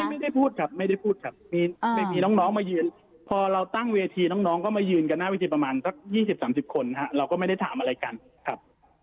ไม่ได้พูดครับไม่ได้พูดครับไม่มีน้องมายืนพอเราตั้งเวทีน้องก็มายืนกันหน้าวิธีประมาณสัก๒๐๓๐คนเราก็ไม่ได้ถามอะไรกันครับ